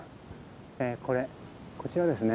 これこちらはですね